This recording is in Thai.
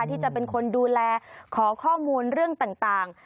ที่จะเป็นคนดูแลขอข้อมูลเรื่องต่าง